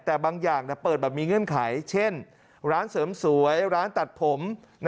แต่บางอย่างเปิดแบบมีเงื่อนไขเช่นร้านเสริมสวยร้านตัดผม